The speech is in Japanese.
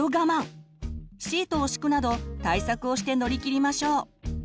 シートを敷くなど対策をして乗り切りましょう。